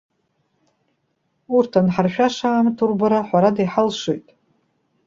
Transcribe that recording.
Урҭ анҳаршәаша аамҭа урбара, ҳәарада, иҳалшоит.